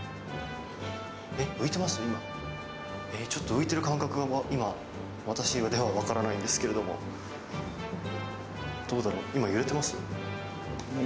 浮いている感覚が私には分からないんですけどどうだろう、今揺れてます？